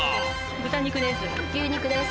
豚肉です。